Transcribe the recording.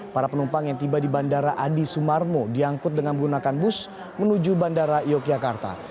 para penumpang yang tiba di bandara adi sumarmo diangkut dengan menggunakan bus menuju bandara yogyakarta